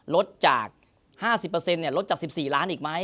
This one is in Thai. ลดจาก๕๐เปอร์เซ็นต์เนี่ยลดจาก๑๔ล้านอีกไหม